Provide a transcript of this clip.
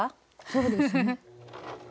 そうですね。